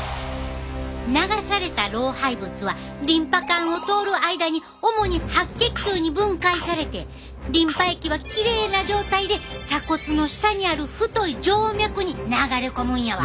流された老廃物はリンパ管を通る間に主に白血球に分解されてリンパ液はきれいな状態で鎖骨の下にある太い静脈に流れ込むんやわ。